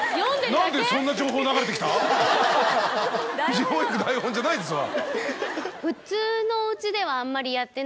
一言一句台本じゃないですわ。